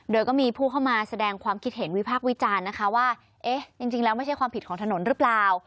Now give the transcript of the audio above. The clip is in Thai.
โดยก็มีผู้เข้ามาแสดงความคิดเห็นวิพากษ์วิจารณ์นะคะว่าเอ๊ะจริงแล้วไม่ใช่ความผิดของถนนหรือเปล่า